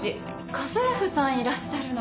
家政婦さんいらっしゃるのね。